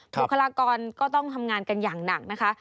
บุคลากรก็ต้องทำงานกันอย่างหนักนะคะ